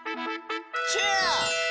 チェア！